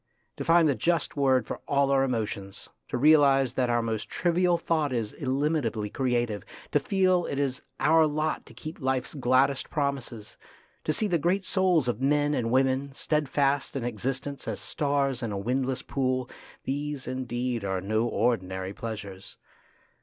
To find the just word for all our emotions, to realise that our most trivial thought is inimitably creative, to feel that it is our lot to keep life's gladdest promises, to THE GREAT MAN 257 see the great souls of men and women, stead fast in existence as stars in a windless pool these, indeed, are no ordinary pleasures.